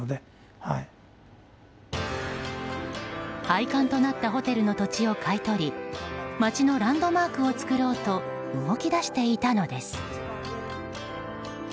廃館となったホテルの土地を買い取り町のランドマークを作ろうと動き出していたのです。